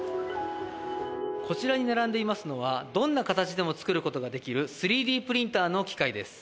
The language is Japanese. こちらに並んでいますのは、どんな形でも作ることができる３Ｄプリンターの機械です。